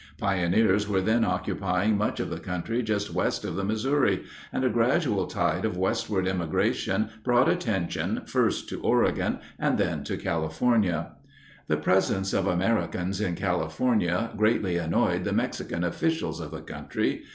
Pioneers were then occupying much of the country just west of the Missouri, and a gradual tide of westward emigration brought attention first to Oregon and then to California. The presence of Americans in California greatly annoyed the Mexican officials of the country.